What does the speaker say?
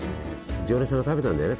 常連さんが食べたんだよね